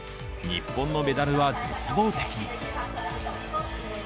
日本のメダルは絶望的。